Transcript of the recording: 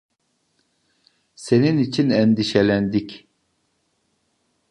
Senin için endişelendik.